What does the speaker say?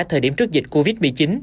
thời điểm trước dịch covid một mươi chín